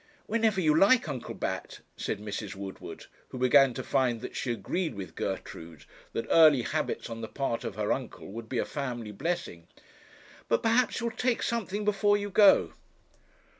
'Whenever you like, Uncle Bat,' said Mrs. Woodward, who began to find that she agreed with Gertrude, that early habits on the part of her uncle would be a family blessing. 'But perhaps you'll take something before you go?'